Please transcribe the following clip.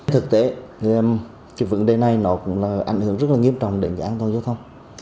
thực tế vấn đề này cũng ảnh hưởng rất nghiêm trọng đến an toàn giao thông